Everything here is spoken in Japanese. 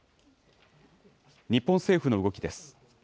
日本政府の動きです。